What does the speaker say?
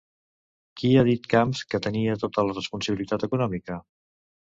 Qui ha dit Camps que tenia tota la responsabilitat econòmica?